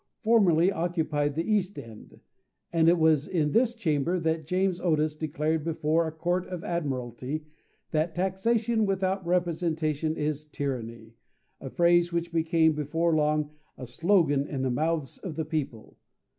formerly occupied the east end; and it was in this chamber that James Otis declared before a court of admiralty, that "taxation without representation is tyranny,"—a phrase which became, before long, a slogan in the mouths of the people.